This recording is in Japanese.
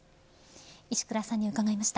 石倉さんに伺いました。